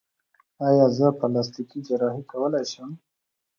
ایا زه پلاستیکي جراحي کولی شم؟